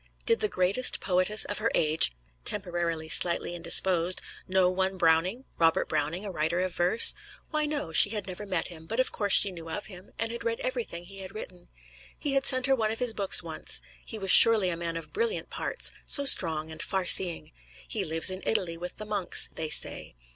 Did the greatest poetess of the age (temporarily slightly indisposed) know one Browning Robert Browning, a writer of verse? Why, no; she had never met him, but of course she knew of him, and had read everything he had written. He had sent her one of his books once. He was surely a man of brilliant parts so strong and farseeing! He lives in Italy, with the monks, they say.